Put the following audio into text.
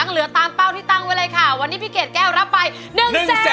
เหลือตามเป้าที่ตั้งไว้เลยค่ะวันนี้พี่เกดแก้วรับไป๑แสน